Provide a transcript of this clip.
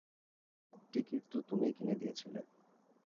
Ticket তো তুমিই কিনে দিয়েছিলে।